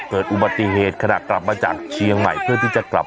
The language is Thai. เกิดอุบัติเหตุขณะกลับมาจากเชียงใหม่เพื่อที่จะกลับ